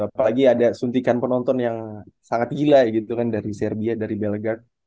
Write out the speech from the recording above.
apalagi ada suntikan penonton yang sangat gila gitu kan dari serbia dari bellegard